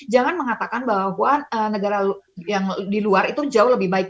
jangan mengatakan bahwa negara yang di luar itu jauh lebih baik